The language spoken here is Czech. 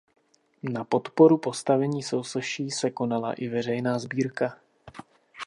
Na podporu postavení sousoší se konala i veřejná sbírka.